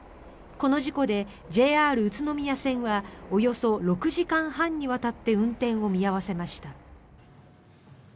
この事故でＪＲ宇都宮線はおよそ６時間半にわたって運転を見合わせました。